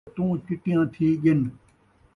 رتوں چٹیاں تھی ڳن